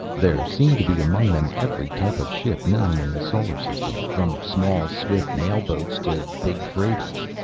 There seemed to be among them every type of ship known in the solar system, from small, swift mail boats to big freighters.